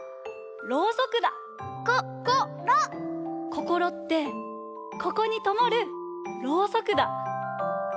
こころってここにともるろうそくだ。